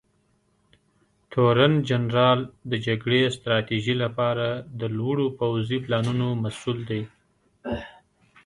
تورنجنرال د جګړې ستراتیژۍ لپاره د لوړو پوځي پلانونو مسوول دی.